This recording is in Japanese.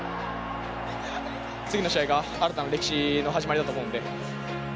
次の試合が新たな歴史の始まりだと思うんで。